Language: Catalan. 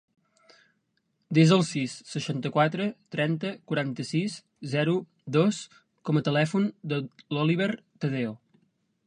Desa el sis, seixanta-quatre, trenta, quaranta-sis, zero, dos com a telèfon de l'Oliver Tadeo.